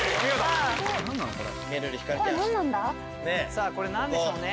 さぁこれ何でしょうね？